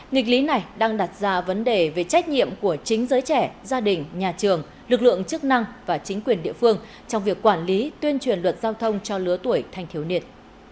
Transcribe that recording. nghịch lý này đang đặt ra vấn đề về trách nhiệm của chính giới trẻ gia đình nhà trường lực lượng chức năng và chính quyền địa phương trong việc quản lý tuyên truyền luật giao thông cho lứa tuổi thanh thiếu niên